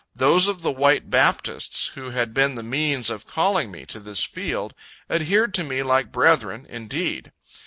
Those of the white Baptists who had been the means of calling me to this field, adhered to me like brethren, indeed.